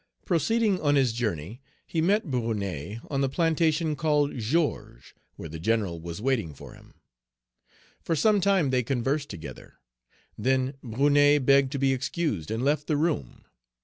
Proceeding on his journey, he met Brunet on the plantation called Georges, where the General was waiting for him. For some time they conversed together. Then Brunet begged to be excused, and left the room.